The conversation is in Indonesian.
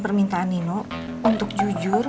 permintaan nino untuk jujur